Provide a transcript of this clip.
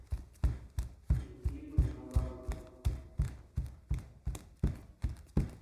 Iña tiku ñaʼa bakuy.